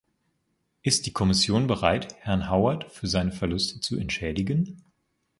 Ist die Kommission bereit, Herrn Howard für seine Verluste zu entschädigen?